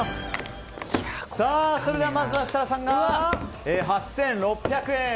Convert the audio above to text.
まずは設楽さんが８６００円。